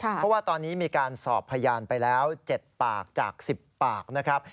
เพราะว่าตอนนี้มีการสอบพยานไปแล้ว๗ปากจาก๑๐ปากนะครับ